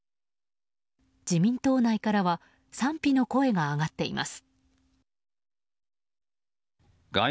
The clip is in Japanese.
自民党内からは賛否の声が上がっています。